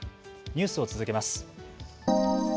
ニュースを続けます。